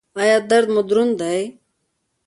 ایا درد مو دروند دی؟